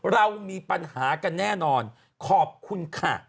เรามีปัญหากันแน่นอนขอบคุณค่ะ